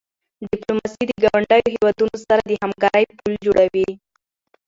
ډیپلوماسي د ګاونډیو هېوادونو سره د همکاری پل جوړوي.